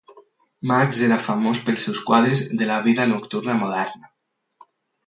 Maks era famós pels seus quadres de la vida nocturna moderna.